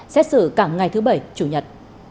xét xử cả ngày thứ bảy chủ nhật